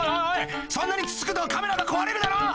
そんなにつつくとカメラが壊れるだろ！